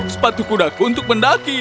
sepatu kudaku untuk mendaki